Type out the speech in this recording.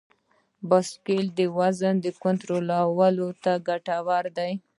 بایسکل د وزن کنټرول ته ګټور دی.